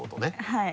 はい。